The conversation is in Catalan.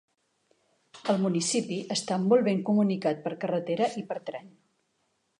El municipi està molt ben comunicat per carretera i per tren.